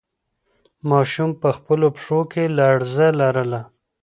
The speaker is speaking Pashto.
ماشوم په خپلو پښو کې لړزه لرله.